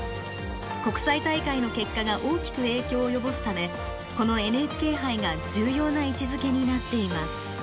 国際大会の結果が大きく影響を及ぼすためこのＮＨＫ杯が重要な位置づけになっています。